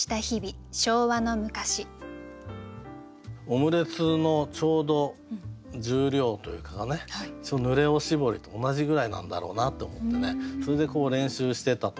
オムレツのちょうど重量というかがね濡れおしぼりと同じぐらいなんだろうなって思ってそれで練習してたと思うんですけど。